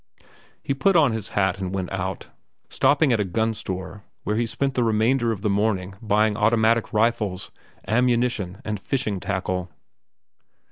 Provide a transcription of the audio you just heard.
He put on his hat and went out, stopping in at a gun store, where he spent the remainder of the morning buying automatic rifles, ammunition, and fishing tackle.